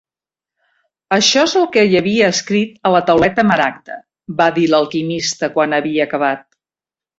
"Això és el que hi havia escrit a la Tauleta maragda", va dir l'alquimista quan havia acabat.